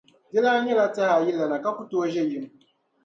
Dilana nyɛla tɛhaayilana ka ku tooi ʒe yim.